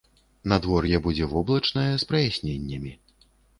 Надвор'е будзе воблачнае з праясненнямі.